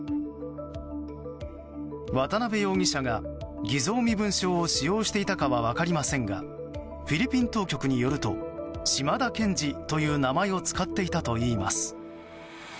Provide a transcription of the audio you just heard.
渡邉容疑者が偽造身分証を使用していたかは分かりませんがフィリピン当局によるとシマダ・ケンジという名前を使っていたといいます。